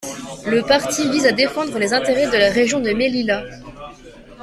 Le parti vise à défendre les intérêts de la région de Melilla.